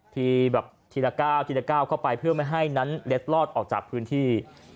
ทีแบบทีละ๙ทีละ๙เข้าไปเพื่อไม่ให้นั้นเล็ดลอดออกจากพื้นที่